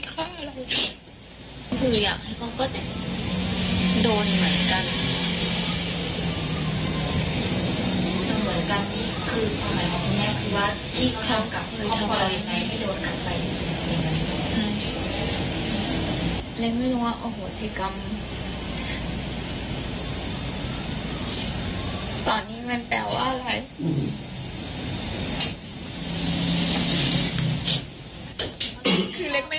คิดแต่เรื่องดีว่าเราเคยทำอะไรกันมา